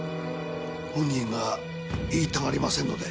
本人が言いたがりませんので。